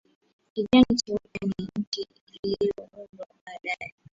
Kijani cheupe ni nchi zilizojiunga baadaye